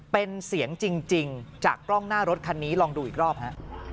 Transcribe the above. เป็นเสียงจริงจากกล้องหน้ารถคันนี้ลองดูอีกรอบฮะ